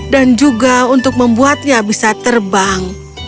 juga untuk membuatnya bisa terbang